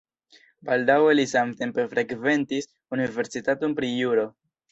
Baldaŭe li samtempe frekventis universitaton pri juro.